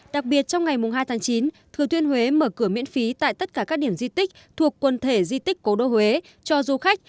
đặc biệt trong ngày hai tháng chín thừa thiên huế mở cửa miễn phí tại tất cả các điểm di tích thuộc quần thể di tích cố đô huế cho du khách